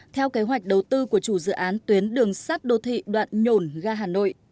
theo kế hoạch đầu tư của chủ dự án tuyến đường sát đô thị đoạn nhổn ga hà nội